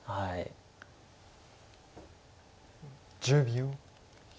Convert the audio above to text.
１０秒。